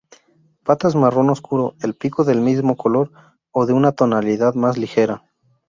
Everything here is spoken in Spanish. Patas marrón oscuro, el pico del mismo color o de una tonalidad más ligera.